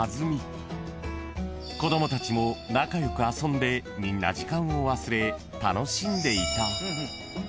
［子供たちも仲良く遊んでみんな時間を忘れ楽しんでいた］